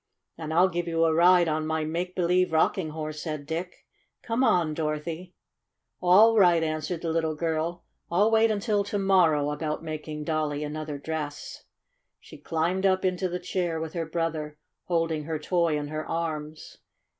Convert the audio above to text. "And I'll give you a ride on my make believe rocking horse, '' said Dick. 6 6 Come on, Dorothy!" "OH, DEAR ME!" 119 "All right," answered the little girl. "Ill wait until to morrow about making Dollie another dress." She climbed up into the chair with her brother, holding her toy in her arms.